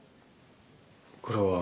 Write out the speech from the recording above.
これは。